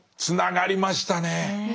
つながりましたね！ねぇ。